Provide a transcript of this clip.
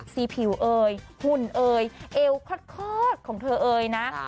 สีผิวเอ่ยหุ่นเอ่ยเอวคลอดของเธอเอ่ยนะ